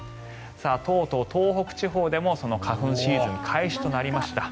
とうとう東北地方でも花粉シーズン開始となりました。